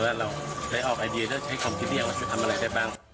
แล้วเราได้ออกไอเดียด้วยใช้ของที่เดียวจะทำอะไรได้บ้าง